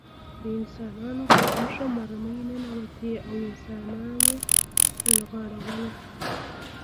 د انسانانو په غوښه مرمۍ ننوتې او انسانان یې لغړول